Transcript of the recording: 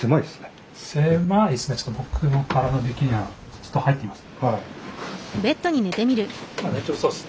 ちょっと入ってみます。